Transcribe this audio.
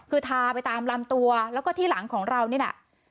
คือทาไปตามลำตัวแล้วก็ที่หลังของเรานี่น่ะ